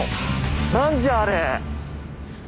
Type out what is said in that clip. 何じゃあれ！